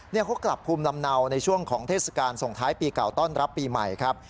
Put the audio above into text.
เขากลับภูมิลำเนาในช่วงของเทศกาลส่งท้ายปีเก่าต้อนรับปีใหม่ครับ